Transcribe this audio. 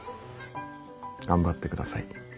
頑張ってください。